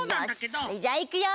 よしそれじゃあいくよ！